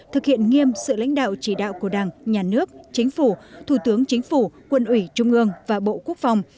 thực hiện nghiêm sự lãnh đạo chỉ đạo của đảng nhà nước chính phủ thủ tướng chính phủ quân ủy trung ương và bộ quốc phòng